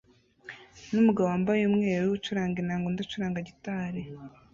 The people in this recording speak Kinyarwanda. numugabo wambaye umweru ucuranga inanga undi acuranga gitari